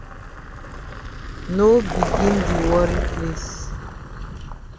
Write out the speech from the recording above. No begin di worry place.